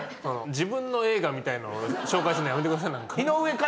自分の映画みたいのを紹介すんのやめてくださいなんか。